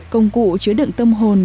công cụ chứa đựng tâm hồn